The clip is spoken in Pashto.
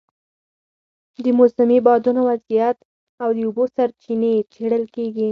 د موسمي بادونو وضعیت او د اوبو سرچینې څېړل کېږي.